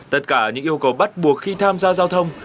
tất cả những yêu cầu bắt buộc khi tham gia giao thông